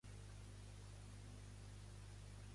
El meu nom és Deborah.